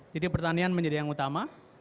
jadi pertanian menjadi yang utama